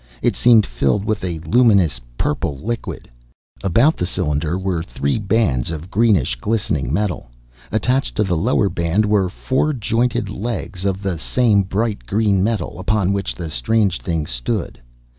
It seemed filled with a luminous, purple liquid. About the cylinder were three bands of greenish, glistening metal. Attached to the lower band were four jointed legs of the same bright green metal, upon which the strange thing stood.